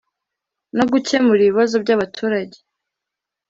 no gukemura ibibazo by abaturage